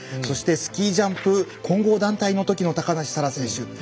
そしてスキー・ジャンプ混合団体のときの高梨沙羅選手。